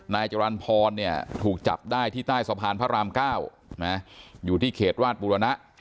นายจรรย์พรเนี่ยถูกจับได้ที่ใต้สะพานพระราม๙อยู่ที่เขตวาดบุรณะ